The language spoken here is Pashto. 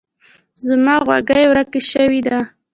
زما غوږۍ ورک شوی ده.